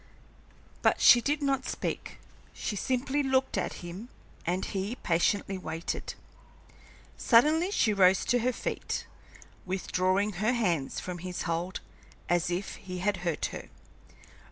But she did not speak, she simply looked at him, and he patiently waited. Suddenly she rose to her feet, withdrawing her hands from his hold as if he had hurt her.